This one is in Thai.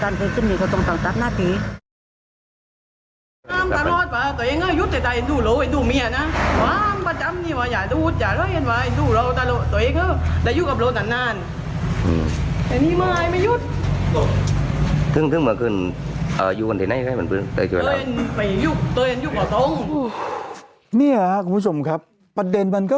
เนี่ยคุณผู้ชมครับปัจเดนบรรติรรภายในพิธีไม่เลี่ยตอดเอง